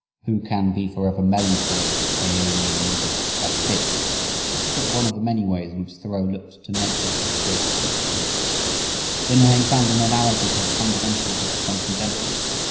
Who can be forever melancholy "with Aeolian music like this"? This is but one of many ways in which Thoreau looked to Nature for his greatest inspirations. In her he found an analogy to the Fundamental of Transcendentalism.